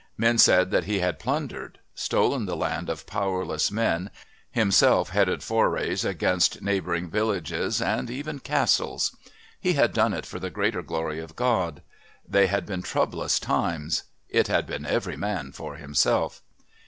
Men said that he had plundered, stolen the land of powerless men, himself headed forays against neighbouring villages and even castles. He had done it for the greater glory of God. They had been troublous times. It had been every man for himself....